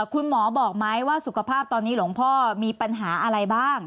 คุณหมอบอกไหมว่าสุขภาพตอนนี้หลวงพ่อมีปัญหาอะไรบ้าง